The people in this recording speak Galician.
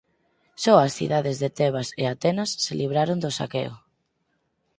Só as cidades de Tebas e Atenas se libraron do saqueo.